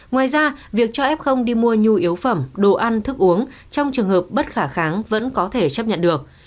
ngoài ra việc cho f đi mua nhu yếu phẩm đồ ăn thức uống trong trường hợp bất khả kháng vẫn có thể chấp nhận được